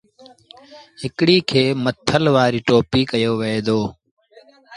هڪڙيٚ کي مٿل وآريٚ ٽوليٚ ڪهيو وهي دو۔